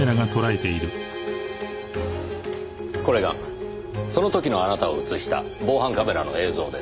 これがその時のあなたを映した防犯カメラの映像です。